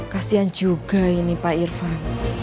kasian juga ini pak irfan